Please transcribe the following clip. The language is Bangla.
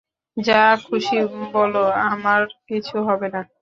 যা খুশি বলো, আমার কিছু হবে না।